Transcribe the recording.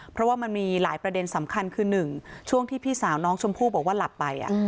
เพราะว่ามันมีหลายประเด็นสำคัญคือ๑ช่วงที่พี่สาวน้องชมพู่บอกว่าหลับไป